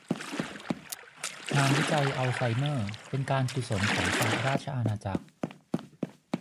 งานวิจัยอัลไซเมอร์เป็นการกุศลของสหราชอาณาจักร